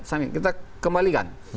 investasi itu kita kembalikan